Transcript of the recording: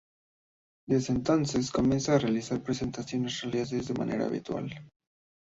Desde entonces comienza a realizar presentaciones radiales de manera habitual.